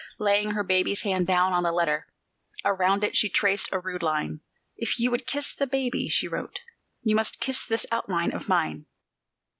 Laying her baby's hand down on the letter, around it she traced a rude line: "If you would kiss the baby," she wrote, "you must kiss this outline of mine."